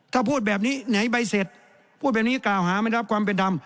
ถ้าพูดแบบนี้ไหนใบเสร็จพูดแบบนี้กล่าวหาไม่ได้รับความเป็นธรรม